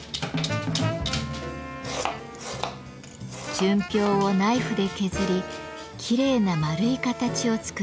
純氷をナイフで削りきれいな丸い形を作ります。